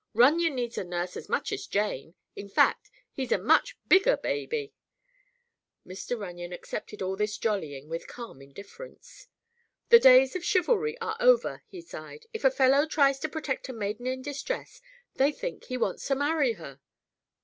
"Runyon needs a nurse as much as Jane. In fact, he's a much bigger baby." Mr. Runyon accepted all this jollying with calm indifference. "The days of chivalry are over," he sighed. "If a fellow tries to protect a maiden in distress, they think he wants to marry her."